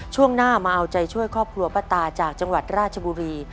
ช่วงหน้ามาเอาใจช่วยครอบครัวป้าตาจากจังหวัดราชบุรี